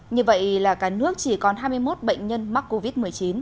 như vậy là cả nước chỉ còn hai mươi một bệnh nhân mắc covid một mươi chín